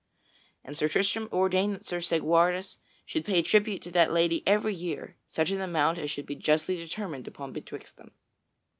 And Sir Tristram ordained that Sir Segwarides should pay tribute to that lady every year such an amount as should be justly determined upon betwixt them.